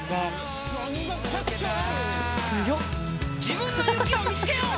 「自分の雪を見つけよう」